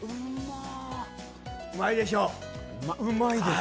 うまいでしょ？